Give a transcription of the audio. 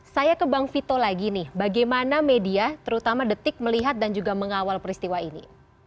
saya ke bang vito lagi nih bagaimana media terutama detik melihat dan juga mengawal peristiwa ini